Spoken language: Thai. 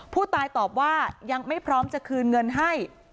ผู้ตายตอบว่ายังไม่พร้อมจะคืนเงินให้